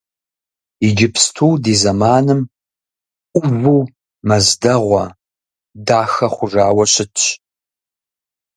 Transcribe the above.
Иджыпсту ди зэманым ӏуву мэз дэгъуэ, дахэ хъужауэ щытщ.